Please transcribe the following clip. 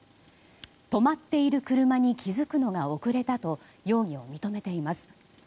止まっている車に気付くのが遅れたと容疑を認めています。